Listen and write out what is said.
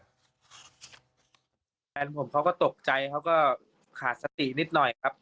แฟนผมเขาก็ตกใจเขาก็ขาดสตินิดหน่อยครับ